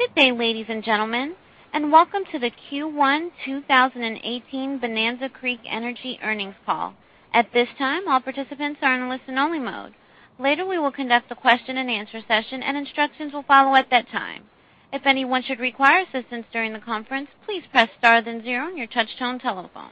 Good day, ladies and gentlemen, and welcome to the Q1 2018 Bonanza Creek Energy earnings call. At this time, all participants are in listen only mode. Later, we will conduct a question and answer session, and instructions will follow at that time. If anyone should require assistance during the conference, please press star then zero on your touch-tone telephone.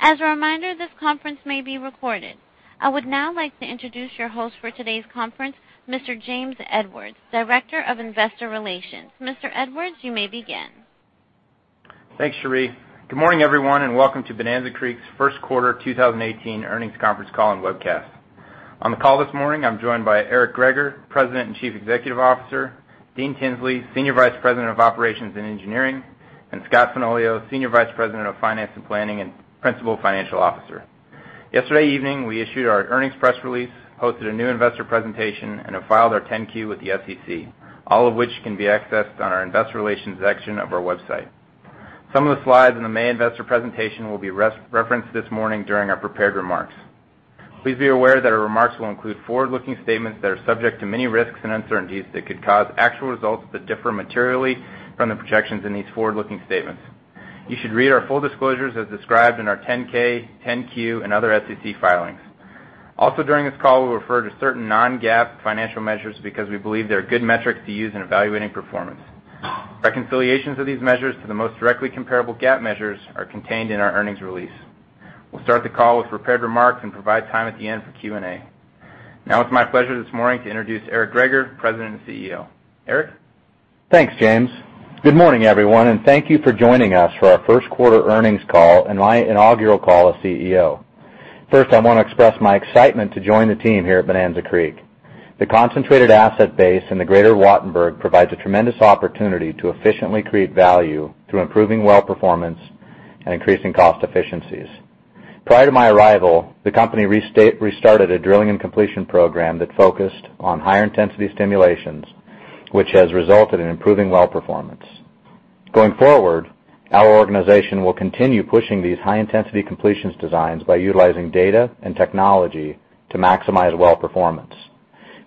As a reminder, this conference may be recorded. I would now like to introduce your host for today's conference, Mr. James Edwards, Director of Investor Relations. Mr. Edwards, you may begin. Thanks, Cherie. Good morning, everyone, and welcome to Bonanza Creek's first quarter 2018 earnings conference call and webcast. On the call this morning, I'm joined by Eric Greager, President and Chief Executive Officer, Dean Tinsley, Senior Vice President of Operations and Engineering, and Scott Fenoglio, Senior Vice President of Finance and Planning, and Principal Financial Officer. Yesterday evening, we issued our earnings press release, hosted a new investor presentation, and have filed our 10-Q with the SEC, all of which can be accessed on our investor relations section of our website. Some of the slides in the main investor presentation will be referenced this morning during our prepared remarks. Please be aware that our remarks will include forward-looking statements that are subject to many risks and uncertainties that could cause actual results to differ materially from the projections in these forward-looking statements. You should read our full disclosures as described in our 10-K, 10-Q, and other SEC filings. Also during this call, we'll refer to certain non-GAAP financial measures because we believe they are good metrics to use in evaluating performance. Reconciliations of these measures to the most directly comparable GAAP measures are contained in our earnings release. We'll start the call with prepared remarks and provide time at the end for Q&A. Now it's my pleasure this morning to introduce Eric Greager, President and CEO. Eric? Thanks, James. Good morning, everyone, and thank you for joining us for our first quarter earnings call and my inaugural call as CEO. First, I want to express my excitement to join the team here at Bonanza Creek. The concentrated asset base in the greater Wattenberg provides a tremendous opportunity to efficiently create value through improving well performance and increasing cost efficiencies. Prior to my arrival, the company restarted a drilling and completion program that focused on higher intensity stimulations, which has resulted in improving well performance. Going forward, our organization will continue pushing these high-intensity completions designs by utilizing data and technology to maximize well performance.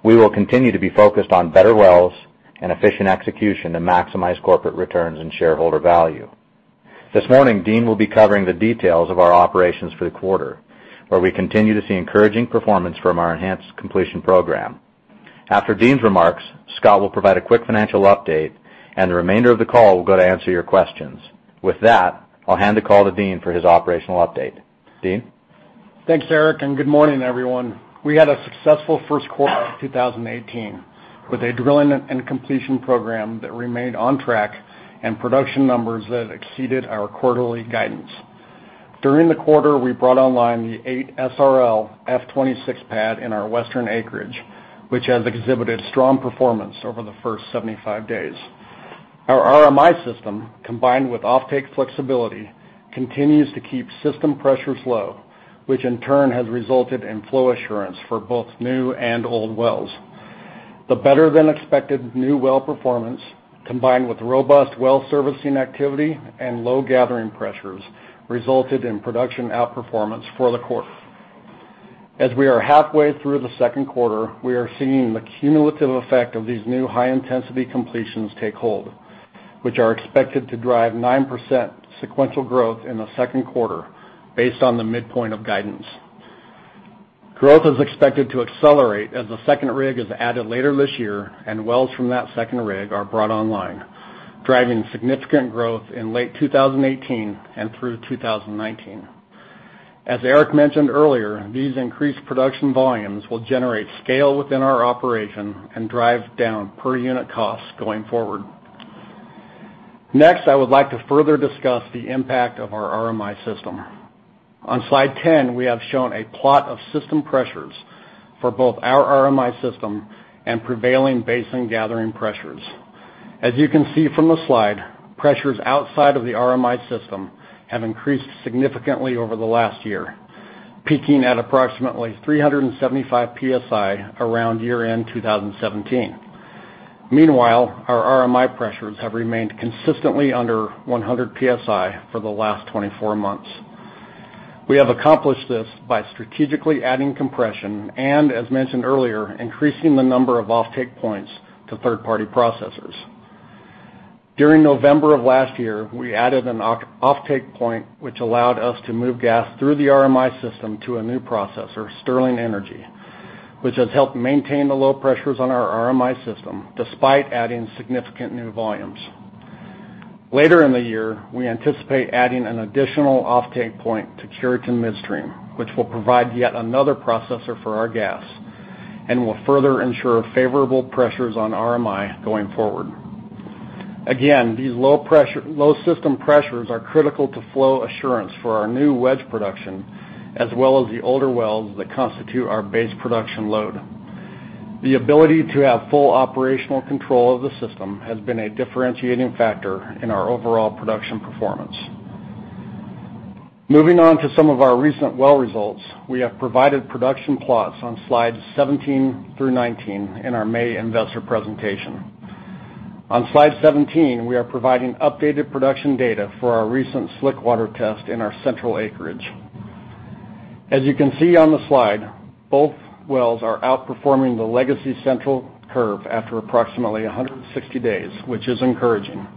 We will continue to be focused on better wells and efficient execution to maximize corporate returns and shareholder value. This morning, Dean will be covering the details of our operations for the quarter, where we continue to see encouraging performance from our enhanced completion program. After Dean's remarks, Scott will provide a quick financial update, and the remainder of the call will go to answer your questions. With that, I'll hand the call to Dean for his operational update. Dean? Thanks, Eric, good morning, everyone. We had a successful first quarter of 2018 with a drilling and completion program that remained on track and production numbers that exceeded our quarterly guidance. During the quarter, we brought online the eight SRL F26 pad in our Western acreage, which has exhibited strong performance over the first 75 days. Our RMI system, combined with offtake flexibility, continues to keep system pressures low, which in turn has resulted in flow assurance for both new and old wells. The better than expected new well performance, combined with robust well servicing activity and low gathering pressures, resulted in production outperformance for the quarter. As we are halfway through the second quarter, we are seeing the cumulative effect of these new high-intensity completions take hold, which are expected to drive 9% sequential growth in the second quarter based on the midpoint of guidance. Growth is expected to accelerate as the second rig is added later this year and wells from that second rig are brought online, driving significant growth in late 2018 and through 2019. As Eric mentioned earlier, these increased production volumes will generate scale within our operation and drive down per unit costs going forward. Next, I would like to further discuss the impact of our RMI system. On slide 10, we have shown a plot of system pressures for both our RMI system and prevailing basin gathering pressures. As you can see from the slide, pressures outside of the RMI system have increased significantly over the last year, peaking at approximately 375 psi around year-end 2017. Meanwhile, our RMI pressures have remained consistently under 100 psi for the last 24 months. We have accomplished this by strategically adding compression and, as mentioned earlier, increasing the number of offtake points to third-party processors. During November of last year, we added an offtake point, which allowed us to move gas through the RMI system to a new processor, Sterling Energy, which has helped maintain the low pressures on our RMI system despite adding significant new volumes. Later in the year, we anticipate adding an additional offtake point to Keyera Midstream, which will provide yet another processor for our gas and will further ensure favorable pressures on RMI going forward. Again, these low system pressures are critical to flow assurance for our new wedge production, as well as the older wells that constitute our base production load. The ability to have full operational control of the system has been a differentiating factor in our overall production performance. Moving on to some of our recent well results, we have provided production plots on slides 17 through 19 in our May investor presentation. On slide 17, we are providing updated production data for our recent slick water test in our central acreage. As you can see on the slide, both wells are outperforming the legacy central curve after approximately 160 days, which is encouraging.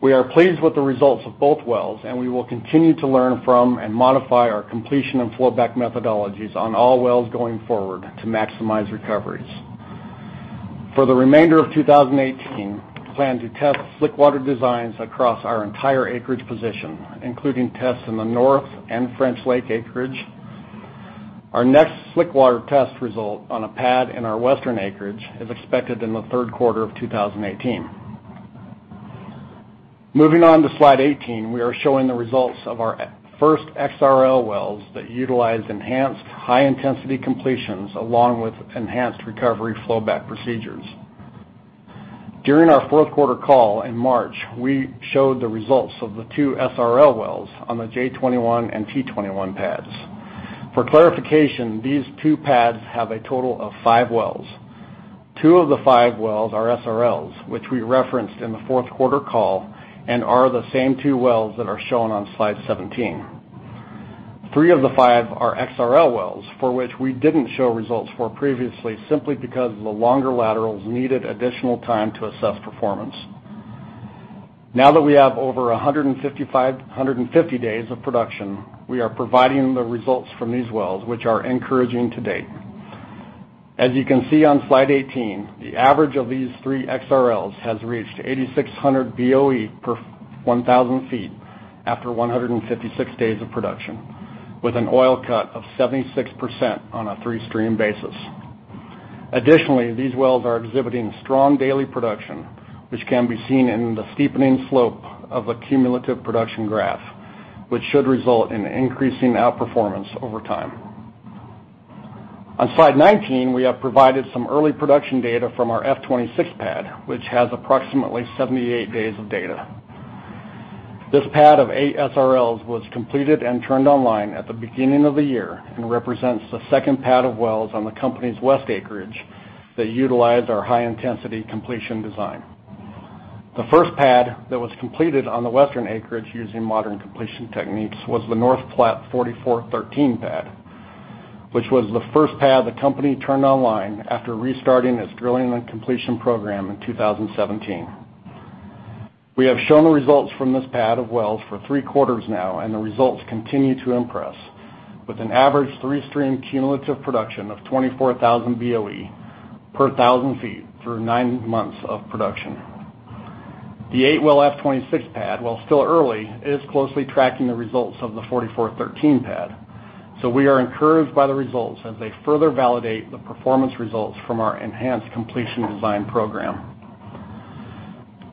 We are pleased with the results of both wells, and we will continue to learn from and modify our completion and flowback methodologies on all wells going forward to maximize recoveries. For the remainder of 2018, we plan to test slickwater designs across our entire acreage position, including tests in the North and French Lake acreage. Our next slickwater test result on a pad in our Western acreage is expected in the third quarter of 2018. Moving on to slide 18, we are showing the results of our first XRL wells that utilize enhanced high-intensity completions, along with enhanced recovery flowback procedures. During our fourth quarter call in March, we showed the results of the two SRL wells on the J21 and T21 pads. For clarification, these two pads have a total of five wells. Two of the five wells are SRLs, which we referenced in the fourth quarter call and are the same two wells that are shown on slide 17. Three of the five are XRL wells, for which we didn't show results for previously, simply because of the longer laterals needed additional time to assess performance. Now that we have over 150 days of production, we are providing the results from these wells, which are encouraging to date. As you can see on slide 18, the average of these three XRLs has reached 8,600 Boe per 1,000 feet after 156 days of production, with an oil cut of 76% on a three-stream basis. Additionally, these wells are exhibiting strong daily production, which can be seen in the steepening slope of the cumulative production graph, which should result in increasing outperformance over time. On slide 19, we have provided some early production data from our F26 pad, which has approximately 78 days of data. This pad of eight SRLs was completed and turned online at the beginning of the year and represents the second pad of wells on the company's west acreage that utilize our high-intensity completion design. The first pad that was completed on the western acreage using modern completion techniques was the North Platte 4413 pad, which was the first pad the company turned online after restarting its drilling and completion program in 2017. We have shown results from this pad of wells for three quarters now, and the results continue to impress, with an average three-stream cumulative production of 24,000 Boe per 1,000 feet through nine months of production. The eight-well F26 pad, while still early, is closely tracking the results of the 4413 pad. We are encouraged by the results as they further validate the performance results from our enhanced completion design program.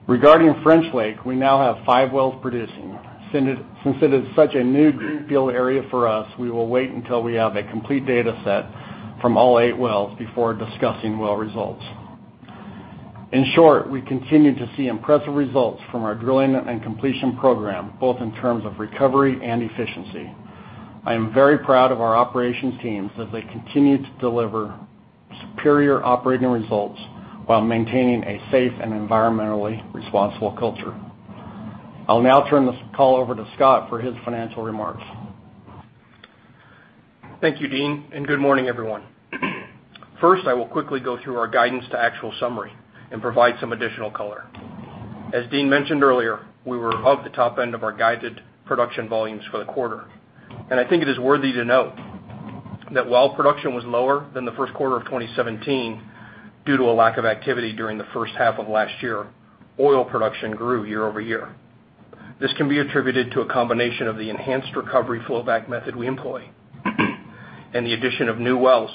Regarding French Lake, we now have five wells producing. Since it is such a new greenfield area for us, we will wait until we have a complete data set from all eight wells before discussing well results. In short, we continue to see impressive results from our drilling and completion program, both in terms of recovery and efficiency. I am very proud of our operations teams as they continue to deliver superior operating results while maintaining a safe and environmentally responsible culture. I'll now turn this call over to Scott for his financial remarks. Thank you, Dean, and good morning, everyone. First, I will quickly go through our guidance to actual summary and provide some additional color. As Dean mentioned earlier, we were of the top end of our guided production volumes for the quarter. I think it is worthy to note that while production was lower than the first quarter of 2017 due to a lack of activity during the first half of last year, oil production grew year-over-year. This can be attributed to a combination of the enhanced recovery flowback method we employ, and the addition of new wells,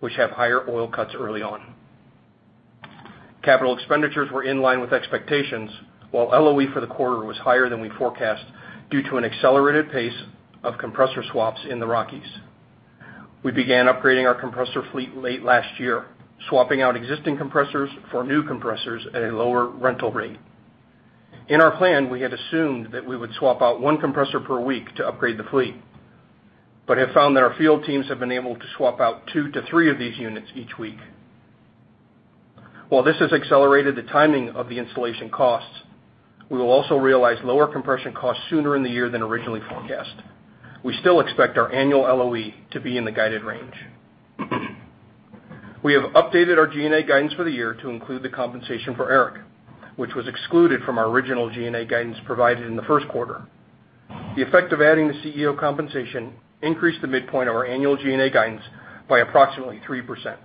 which have higher oil cuts early on. Capital expenditures were in line with expectations. While LOE for the quarter was higher than we forecast due to an accelerated pace of compressor swaps in the Rockies. We began upgrading our compressor fleet late last year, swapping out existing compressors for new compressors at a lower rental rate. In our plan, we had assumed that we would swap out one compressor per week to upgrade the fleet, but have found that our field teams have been able to swap out two to three of these units each week. While this has accelerated the timing of the installation costs, we will also realize lower compression costs sooner in the year than originally forecast. We still expect our annual LOE to be in the guided range. We have updated our G&A guidance for the year to include the compensation for Eric, which was excluded from our original G&A guidance provided in the first quarter. The effect of adding the CEO compensation increased the midpoint of our annual G&A guidance by approximately 3%.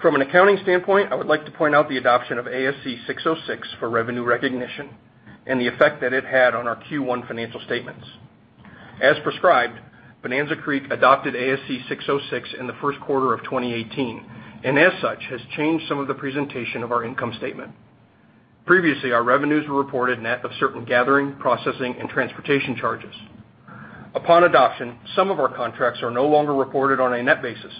From an accounting standpoint, I would like to point out the adoption of ASC 606 for revenue recognition and the effect that it had on our Q1 financial statements. As prescribed, Bonanza Creek adopted ASC 606 in the first quarter of 2018. As such, has changed some of the presentation of our income statement. Previously, our revenues were reported net of certain gathering, processing, and transportation charges. Upon adoption, some of our contracts are no longer reported on a net basis,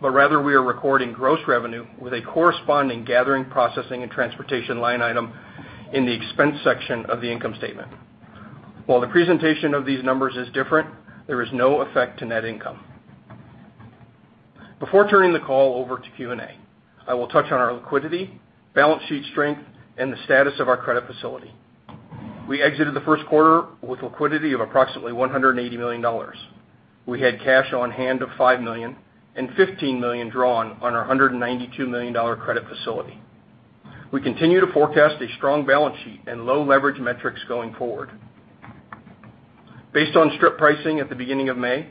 but rather we are recording gross revenue with a corresponding gathering, processing, and transportation line item in the expense section of the income statement. While the presentation of these numbers is different, there is no effect to net income. Before turning the call over to Q&A, I will touch on our liquidity, balance sheet strength, and the status of our credit facility. We exited the first quarter with liquidity of approximately $180 million. We had cash on hand of $5 million and $15 million drawn on our $192 million credit facility. We continue to forecast a strong balance sheet and low leverage metrics going forward. Based on strip pricing at the beginning of May,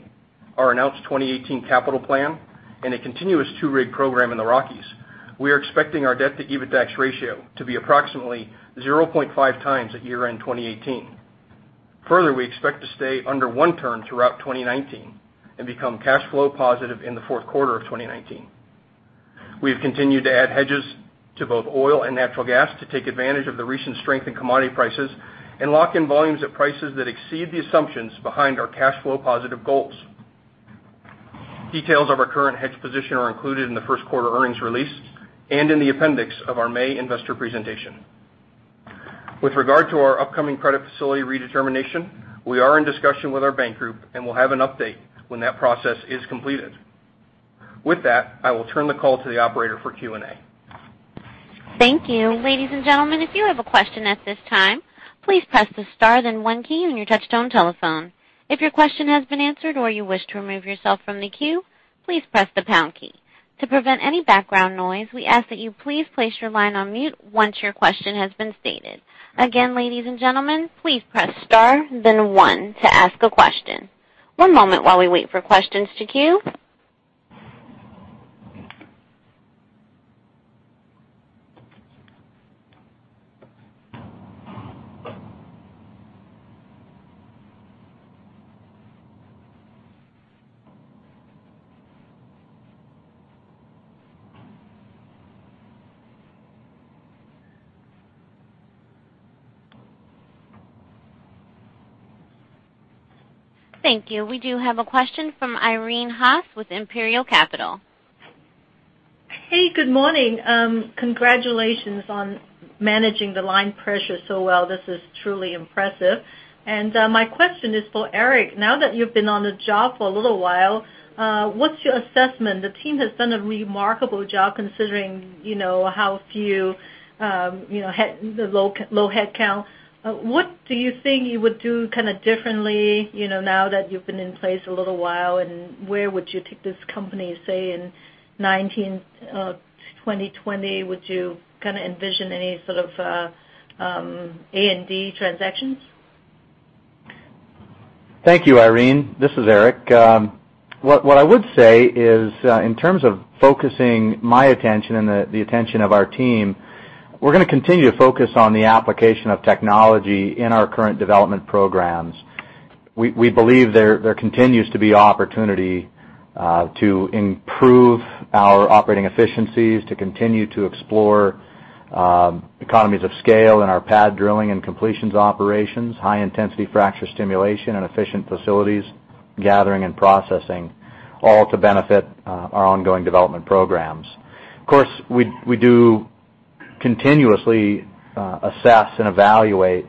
our announced 2018 capital plan, and a continuous two-rig program in the Rockies, we are expecting our debt-to-EBITDAX ratio to be approximately 0.5 times at year-end 2018. We expect to stay under one turn throughout 2019 and become cash flow positive in the fourth quarter of 2019. We have continued to add hedges to both oil and natural gas to take advantage of the recent strength in commodity prices and lock in volumes at prices that exceed the assumptions behind our cash flow positive goals. Details of our current hedge position are included in the first quarter earnings release and in the appendix of our May investor presentation. With regard to our upcoming credit facility redetermination, we are in discussion with our bank group and will have an update when that process is completed. I will turn the call to the operator for Q&A. Thank you. Ladies and gentlemen, if you have a question at this time, please press the star then one key on your touchtone telephone. If your question has been answered or you wish to remove yourself from the queue, please press the pound key. To prevent any background noise, we ask that you please place your line on mute once your question has been stated. Again, ladies and gentlemen, please press star then one to ask a question. One moment while we wait for questions to queue. Thank you. We do have a question from Irene Ho with Imperial Capital. Hey, good morning. Congratulations on managing the line pressure so well. This is truly impressive. My question is for Eric. Now that you've been on the job for a little while, what's your assessment? The team has done a remarkable job considering how few, low headcount. What do you think you would do differently now that you've been in place a little while, and where would you take this company, say, in 2019, 2020? Would you envision any sort of A&D transactions? Thank you, Irene. This is Eric. What I would say is, in terms of focusing my attention and the attention of our team, we're going to continue to focus on the application of technology in our current development programs. We believe there continues to be opportunity to improve our operating efficiencies, to continue to explore economies of scale in our pad drilling and completions operations, high-intensity fracture stimulation, and efficient facilities gathering and processing, all to benefit our ongoing development programs. Of course, we do continuously assess and evaluate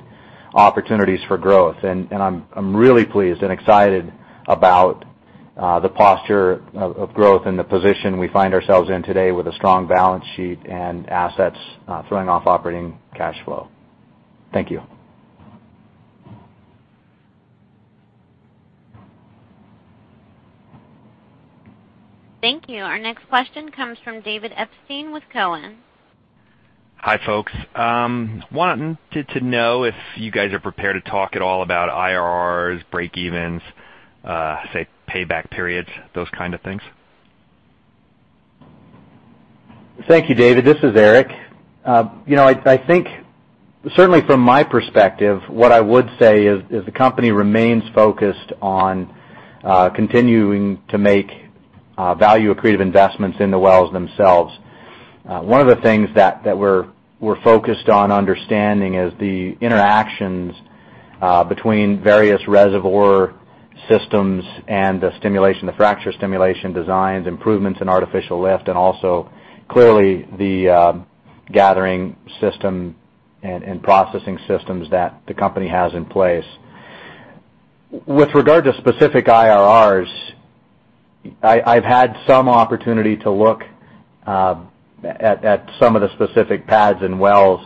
opportunities for growth. I'm really pleased and excited about the posture of growth and the position we find ourselves in today with a strong balance sheet and assets throwing off operating cash flow. Thank you. Thank you. Our next question comes from David Epstein with Cowen. Hi, folks. Wanted to know if you guys are prepared to talk at all about IRRs, break evens, say, payback periods, those kind of things. Thank you, David. This is Eric. I think certainly from my perspective, what I would say is the company remains focused on continuing to make value-accretive investments in the wells themselves. One of the things that we're focused on understanding is the interactions between various reservoir systems and the stimulation, the fracture stimulation designs, improvements in artificial lift, and also clearly the gathering system and processing systems that the company has in place. With regard to specific IRRs, I've had some opportunity to look at some of the specific pads and wells,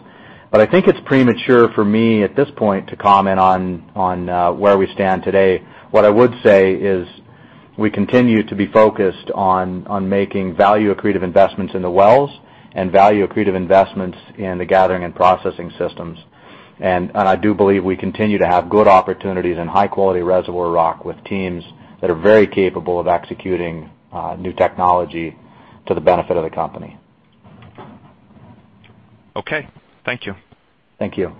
but I think it's premature for me at this point to comment on where we stand today. What I would say is we continue to be focused on making value-accretive investments in the wells and value-accretive investments in the gathering and processing systems. I do believe we continue to have good opportunities in high-quality reservoir rock with teams that are very capable of executing new technology to the benefit of the company. Okay. Thank you. Thank you.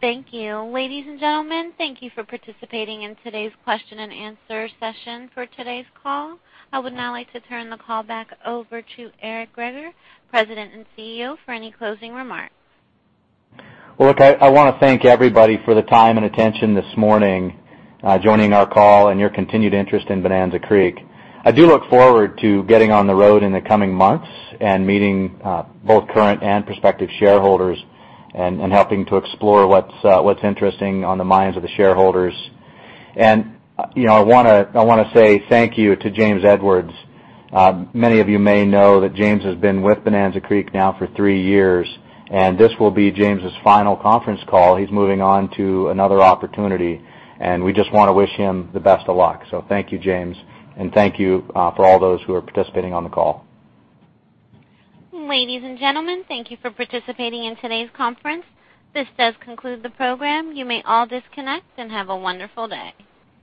Thank you. Ladies and gentlemen, thank you for participating in today's question and answer session for today's call. I would now like to turn the call back over to Eric Greager, President and CEO, for any closing remarks. Well, look, I want to thank everybody for the time and attention this morning joining our call and your continued interest in Bonanza Creek. I do look forward to getting on the road in the coming months and meeting both current and prospective shareholders and helping to explore what's interesting on the minds of the shareholders. I want to say thank you to James Edwards. Many of you may know that James has been with Bonanza Creek now for three years, and this will be James' final conference call. He's moving on to another opportunity, and we just want to wish him the best of luck. Thank you, James, and thank you for all those who are participating on the call. Ladies and gentlemen, thank you for participating in today's conference. This does conclude the program. You may all disconnect, and have a wonderful day.